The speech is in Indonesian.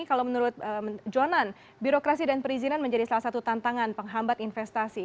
kalau menurut jonan birokrasi dan perizinan menjadi salah satu tantangan penghambat investasi